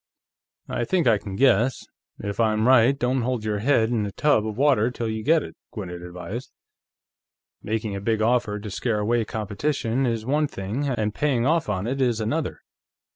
"I think I can guess. If I'm right, don't hold your head in a tub of water till you get it," Gwinnett advised. "Making a big offer to scare away competition is one thing, and paying off on it is another.